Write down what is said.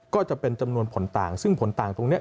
ก็จะเป็นจำนวนผลต่างซึ่งผลต่างตรงนี้